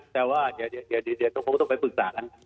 แต่ว่าเดี๋ยวก็คงต้องไปปรึกษากัน